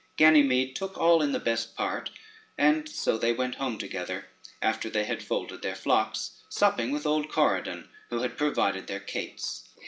Ganymede took all in the best part, and so they went home together after they had folded their flocks, supping with old Corydon, who had provided their cates.